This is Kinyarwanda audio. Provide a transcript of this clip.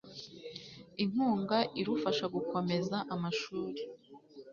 inkunga irufasha gukomeza amashuri